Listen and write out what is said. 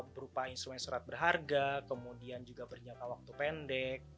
berupa instrumen surat berharga kemudian juga berjangka waktu pendek